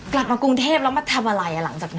กลับมากรุงเทพแล้วมาทำอะไรหลังจากนี้